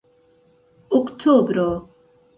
oktobro